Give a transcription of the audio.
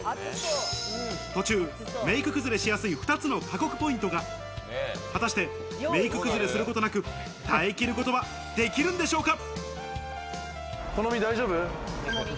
途中、メイク崩れしやすい２つの過酷ポイントが果たしてメイク崩れすることなく、耐え切ることはできるんでしょうか。